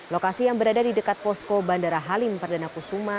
lokasi yang berada di dekat posko bandara halim perdana kusuma